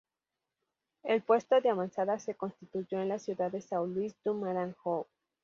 El puesto de avanzada se constituyó en la ciudad de São Luís do Maranhão.